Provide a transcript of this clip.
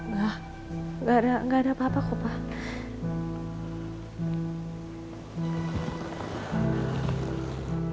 gak ada papa legendary aku di luar biasa